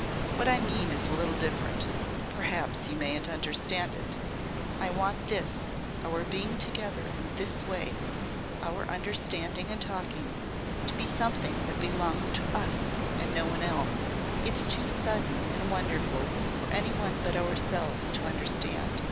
"What I mean is a little different. Perhaps you mayn't understand it. I want this our being together in this way our understanding and talking to be something that belongs to us and to no one else. It's too sudden and wonderful for any one but ourselves to understand.